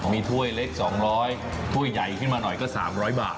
มีถ้วยเล็ก๒๐๐ถ้วยใหญ่ขึ้นมาหน่อยก็๓๐๐บาท